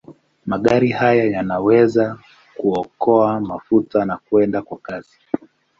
Magari haya yanaweza kuokoa mafuta na kwenda kwa kasi.